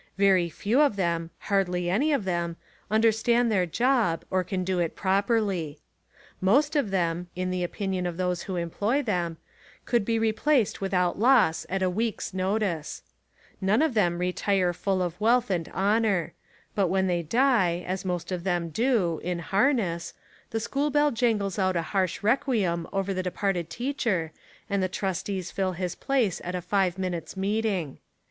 Very few of them — hardly any of them — understand their job or can do It properly. Most of them — In the opinion of 167 Essays and Literary Studies those who employ them — could be replaced without loss at a week's notice. None of them retire full of wealth and honour; but when they die, as most of them do, in harness, the school bell jangles out a harsh requiem over the de parted teacher and the trustees fill his place at a five minutes' meeting.